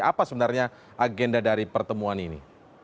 apa sebenarnya agenda dari pertemuan ini